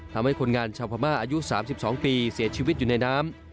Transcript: ทำให้คนงานชาวพม่าอายุ๓๒ปีเสียชีวิตอยู่ในน้ำ